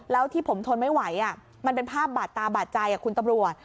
แล้วที่ผมทนไม่ไหวมันเป็นภาพบาดตาบาดใจคุณตำรวจ